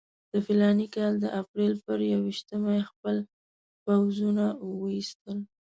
د فلاني کال د اپرېل پر یوویشتمه یې خپل پوځونه وایستل.